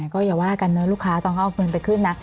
ก็อย่าว่ากันเนอะลูกค้าต้องเอาเงินไปขึ้นนะ